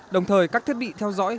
đồng thời các thiết bị theo dõi